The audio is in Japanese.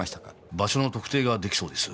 場所の特定ができそうです。